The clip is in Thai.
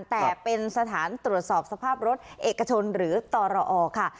แต่เป็นสถานตรวจสอบสภาพรถเอกชนหรือตรอค่ะ